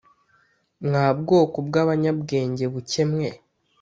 Mwa bwoko bw'abanyabwenge buke mwe